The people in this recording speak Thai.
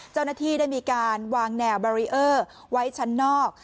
เจ้าหน้าที่ได้มีการวางแนวบารีเออร์ไว้ชั้นนอก